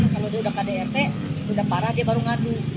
kalau dia udah kdrt sudah parah dia baru ngadu